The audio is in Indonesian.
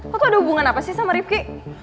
lo tuh ada hubungan apa sih sama rifqi